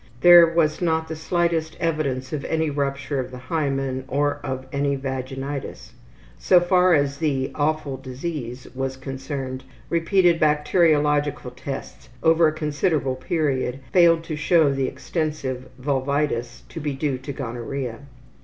There was not the slightest evidence of any rupture of the hymen or of any vaginitis. So far as the ``awful disease'' was concerned, repeated bacteriological tests over a considerable period failed to show the extensive vulvitis to be due to gonorrhea.